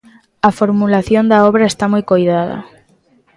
A formulación da obra está moi coidada.